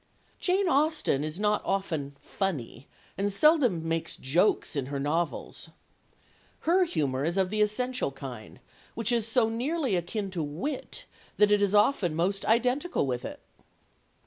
Jane Austen is not often funny and seldom makes jokes in her novels. Her humour is of the essential kind, which is so nearly akin to wit that it is often almost identical with it.